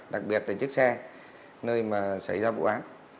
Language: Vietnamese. đặc biệt là chiếc xe nơi mà xảy ra vụ án